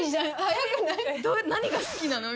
「何が好きなの？」